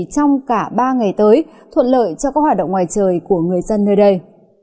trong cả ba ngày tới thuận lợi cho các hoạt động ngoài trời của người dân nơi đây